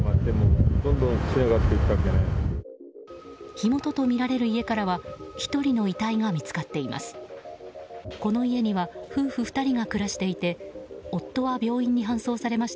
火元とみられる家からは１人の遺体が見つかっています。